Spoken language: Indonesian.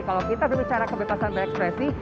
kalau kita berbicara kebebasan berekspresi